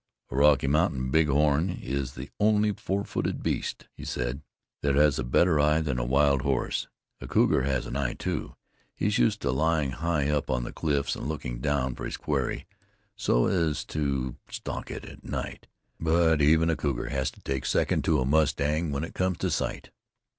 "A Rocky Mountain Big Horn is the only four footed beast," he said, "that has a better eye than a wild horse. A cougar has an eye, too; he's used to lying high up on the cliffs and looking down for his quarry so as to stalk it at night; but even a cougar has to take second to a mustang when it comes to sight."